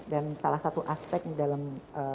dan salah satu aspek dalam